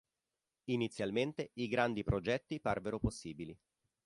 Inizialmente i grandi progetti parvero possibili.